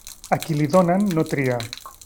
A qui li donen, no tria.